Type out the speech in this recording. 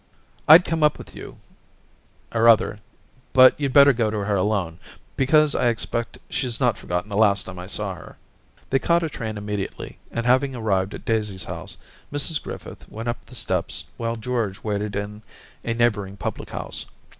' rU come up with you, nf other, but you'd better go to her alone, because I expect she's not forgotten the last time I saw her.* They caught a train immediately, and having arrived at Daisy's house, Mrs Griffith went up the steps while George waited in a neighbouring public house.